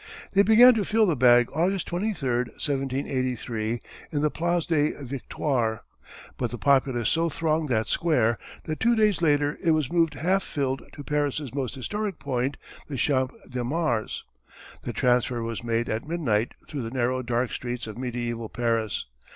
They began to fill the bag August 23, 1783 in the Place des Victoires, but the populace so thronged that square that two days later it was moved half filled to Paris's most historic point, the Champ de Mars. The transfer was made at midnight through the narrow dark streets of mediæval Paris.